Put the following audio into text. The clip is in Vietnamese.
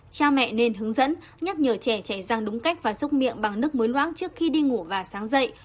cha mẹ nên hướng dẫn nhắc nhở trẻ chảy rang đúng cách và xúc miệng bằng nước muối loãng trước khi đi ngủ và sáng dậy